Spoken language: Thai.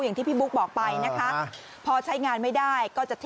อย่างที่พี่บุ๊คบอกไปค่ะ